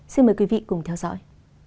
xin mời quý vị cùng theo dõi